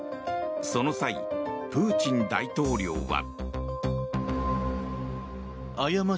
その際、プーチン大統領は。